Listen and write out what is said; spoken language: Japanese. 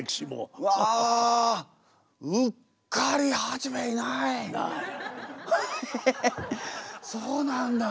ええそうなんだ。